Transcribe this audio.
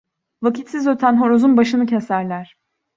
Vakitsiz öten horozun başını keserler.